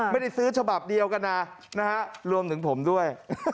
ไม่ได้ซื้อฉบับเดียวกันนะรวมถึงผมด้วย